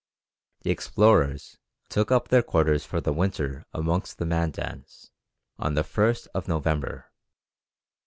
The explorers took up their quarters for the winter amongst the Mandans, on the 1st of November.